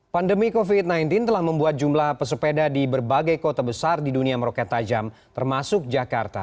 pandemi covid sembilan belas telah membuat jumlah pesepeda di berbagai kota besar di dunia meroket tajam termasuk jakarta